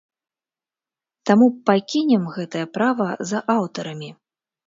Таму пакінем гэтае права за аўтарамі.